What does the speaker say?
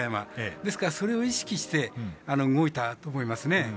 ですから、それを意識して動いたと思いますね。